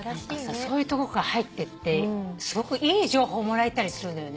そういうとこから入ってってすごくいい情報もらえたりするのよね。